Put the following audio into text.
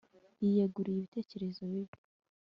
Yiyeguriye ibitekerezo bibi